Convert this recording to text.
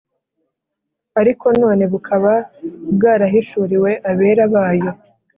ariko none bukaba bwarahishuriwe abera bayo